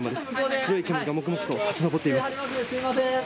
白い煙がもくもくと立ち上っています。